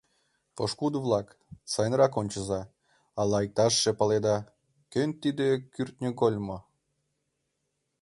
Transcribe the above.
Пошкудо-влак, сайынрак ончыза, ала иктажше паледа: кӧн тиде кӱртньыгольмо.